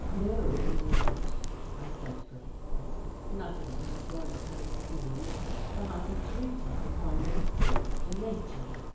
"No, indeed," I said gravely. "Nothing about your material being, but a treatise upon your spiritual nature.